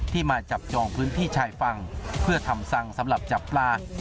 มาจับจองพื้นที่ชายฝั่งเพื่อทำสั่งสำหรับจับปลา